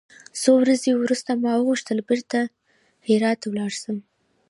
څو ورځې وروسته ما غوښتل بېرته دهراوت ته ولاړ سم.